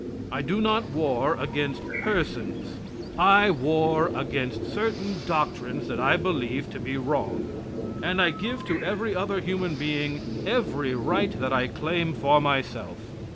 I do not war against persons. I war against certain doctrines that I believe to be wrong. And I give to every other human being every right that I claim for myself.